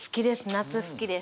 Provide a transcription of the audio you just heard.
夏好きです。